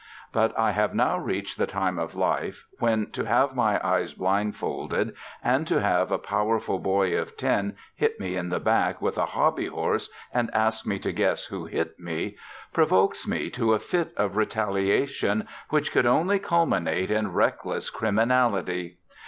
But I have now reached a time of life, when, to have my eyes blindfolded and to have a powerful boy of ten hit me in the back with a hobby horse and ask me to guess who hit me, provokes me to a fit of retaliation which could only culminate in reckless criminality.